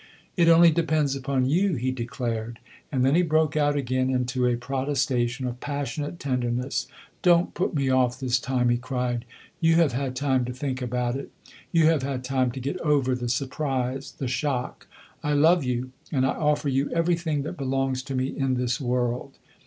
"It only depends upon you," he declared; and then he broke out again into a protestation of passionate tenderness. "Don't put me off this time," he cried. "You have had time to think about it; you have had time to get over the surprise, the shock. I love you, and I offer you everything that belongs to me in this world."